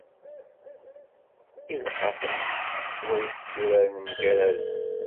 Ilqafen s way-s tturaren mgaraden.